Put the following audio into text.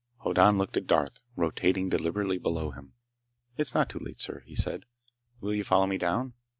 Hoddan looked at Darth, rotating deliberately below him. "It's not too late, sir," he said. "Will you follow me down?"